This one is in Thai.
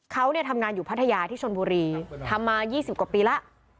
เขาเนี่ยทำงานอยู่พัทยาที่ชนบุรีทำมา๒๐กว่าปีแล้ว